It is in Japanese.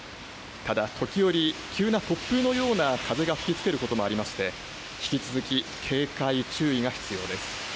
ただ時折、急な突風のような風が吹きつけることもありまして引き続き警戒、注意が必要です。